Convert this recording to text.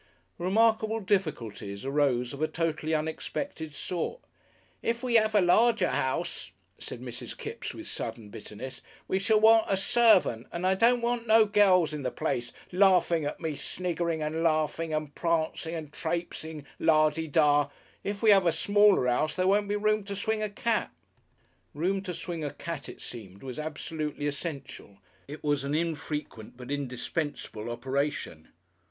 Remarkable difficulties arose of a totally unexpected sort. "If we 'ave a larger 'ouse," said Mrs. Kipps with sudden bitterness, "we shall want a servant, and I don't want no gells in the place larfin' at me, sniggerin' and larfin' and prancin' and trapesin', lardy da! If we 'ave a smaller 'ouse, there won't be room to swing a cat." Room to swing a cat it seemed was absolutely essential. It was an infrequent but indispensable operation.